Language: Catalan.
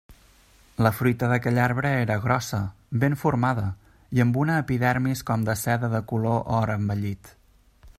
La fruita d'aquell arbre era grossa, ben formada i amb una epidermis com de seda de color or envellit.